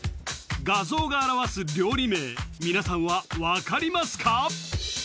画像が表す料理名皆さんは分かりますか？